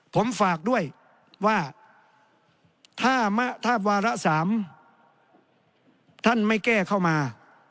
ผมฝากด้วยว่าถ้าวาระ๓ท่านไม่แก้เข้ามา